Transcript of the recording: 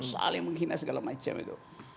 saling menghina segala macam itu